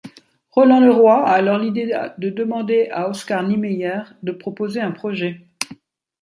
Roland Leroy a alors l'idée de demander à Oscar Niemeyer de proposer un projet.